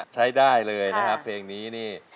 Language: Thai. ใช้ได้เลยนะครับเพลงนี้นี่